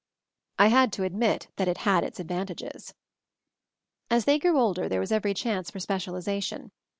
I had to admit that it had its advantages. 220 MOVING THE MOUNTAIN As they grew older there was every chance for specialization.